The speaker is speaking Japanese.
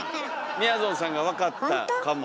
みやぞんさんが分かったかも。